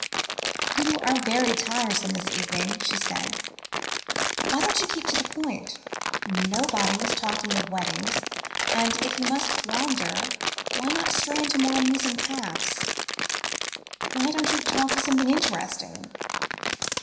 "You are very tiresome this evening," she said. "Why don't you keep to the point? Nobody was talking of weddings, and if you must wander, why not stray in more amusing paths? Why don't you talk of something interesting?